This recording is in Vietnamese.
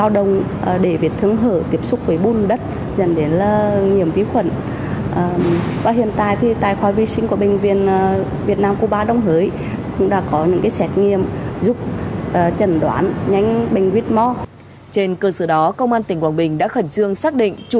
đến thời điểm hiện tại bệnh viện việt nam cuba đồng hới chưa tiếp nhận bệnh nhân nào mắc bệnh